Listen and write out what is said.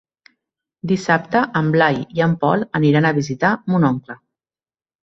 Dissabte en Blai i en Pol aniran a visitar mon oncle.